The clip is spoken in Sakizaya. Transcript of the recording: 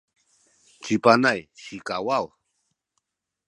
ci Panay sikawaw